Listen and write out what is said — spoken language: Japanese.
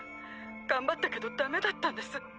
頑張ったけど駄目だったんです。